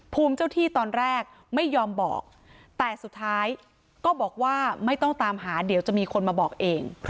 ภูมิเจ้าที่ตอนแรกไม่ยอมบอกแต่สุดท้ายก็บอกว่าไม่ต้องตามหาเดี๋ยวจะมีคนมาบอกเอง